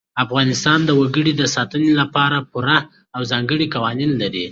افغانستان د وګړي د ساتنې لپاره پوره او ځانګړي قوانین لري.